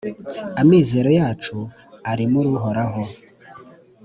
amizero yacu ari muri Uhoraho.